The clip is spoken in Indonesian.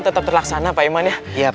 tetap terlaksana pak iman ya